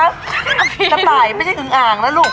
กระต่ายไม่ใช่อึงอ่างนะลูก